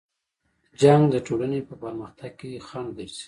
جنګ د ټولنې په پرمختګ کې خنډ ګرځي.